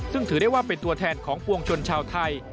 ซึ่งถือได้ว่าเป็นตัวแทนของปวงชนชาวไทย